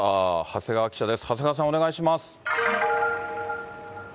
長谷川さん、お願いします。